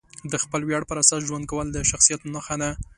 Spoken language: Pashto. د خپلې ویاړ پر اساس ژوند کول د شخصیت نښه ده.